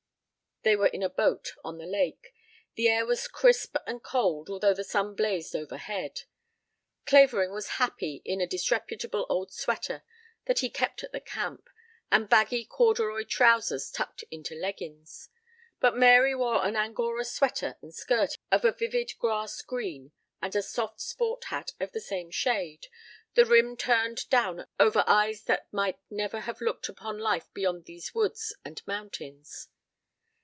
They were in a boat on the lake. The air was crisp and cold although the sun blazed overhead. Clavering was happy in a disreputable old sweater that he kept at the camp, and baggy corduroy trousers tucked into leggins, but Mary wore an angora sweater and skirt of a vivid grass green and a soft sport hat of the same shade, the rim turned down over eyes that might never have looked upon life beyond these woods and mountains.